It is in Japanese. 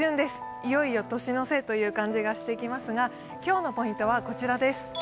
いよいよ年の瀬という感じがしてきますが今日のポイントはこちらです。